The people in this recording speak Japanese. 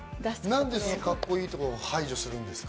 何でカッコいいところを排除するんですか？